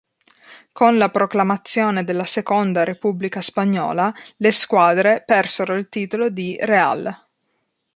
Con la proclamazione della seconda repubblica spagnola, le squadre persero il titolo di "Real".